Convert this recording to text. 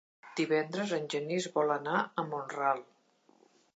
Divendres en Genís vol anar a Mont-ral.